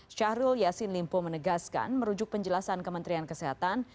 syahrul yassin limpo menegaskan merujuk penjelasan kementerian kesehatan